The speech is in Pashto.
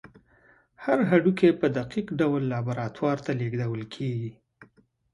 هر هډوکی په دقیق ډول لابراتوار ته لیږدول کېږي.